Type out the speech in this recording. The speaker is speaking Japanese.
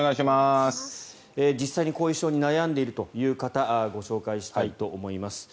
実際に後遺症に悩んでいるという方ご紹介したいと思います。